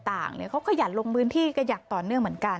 ต่างเขาก็อยากลงพื้นที่กระหยักต่อเนื่องเหมือนกัน